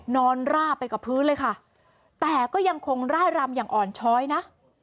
ร่าไปกับพื้นเลยค่ะแต่ก็ยังคงร่ายรำอย่างอ่อนช้อยนะ